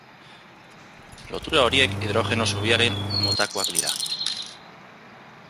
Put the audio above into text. Lotura horiek hidrogeno zubiaren motakoak dira.